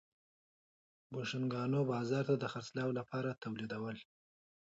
بوشونګانو بازار ته د خرڅلاو لپاره تولیدول.